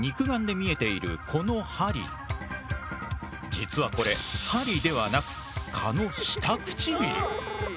実はこれ針ではなく蚊の下唇。